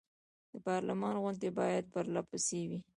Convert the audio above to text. د پارلمان غونډې باید پر له پسې وي.